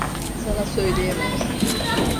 Sana söyleyemem.